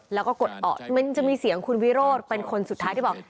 แล้วก็กดออกมันจะมีเสียงคุณวิโรธเป็นคนสุดท้ายที่บอก